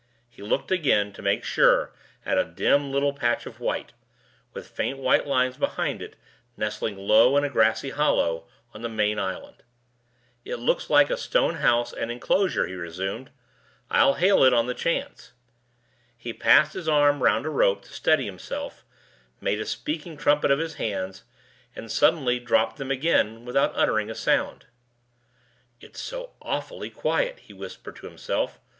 He looked again, to make sure, at a dim little patch of white, with faint white lines behind it, nestling low in a grassy hollow, on the main island. "It looks like a stone house and inclosure," he resumed. "I'll hail it, on the chance." He passed his arm round a rope to steady himself, made a speaking trumpet of his hands, and suddenly dropped them again without uttering a sound. "It's so awfully quiet," he whispered to himself.